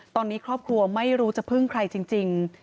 ตอนนี้ครอบครัวไม่รู้จะพึ่งใครจริง